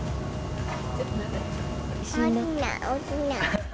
おいしいな。